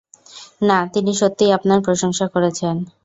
না, তিনি সত্যিই আপনার প্রশংসা করেছেন।